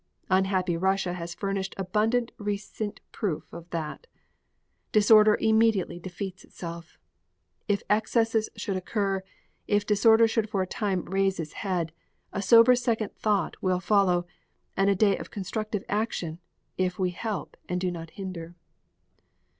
Unhappy Russia has furnished abundant recent proof of that. Disorder immediately defeats itself. If excesses should occur, if disorder should for a time raise its head, a sober second thought will follow and a day of constructive action, if we help and do not hinder.